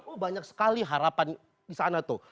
oh banyak sekali harapan disana tuh